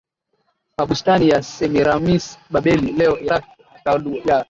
Mabustani ya Semiramis Babeli leo Irak Hekalu ya